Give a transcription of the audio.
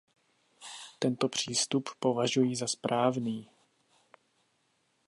Tento přístup považuji za správný.